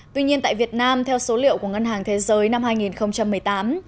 tuy nhiên tại việt nam theo số liệu của ngân hàng thế giới năm hai nghìn một mươi tám